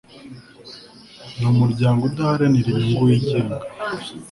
ni umuryango udaharanira inyungu wigenga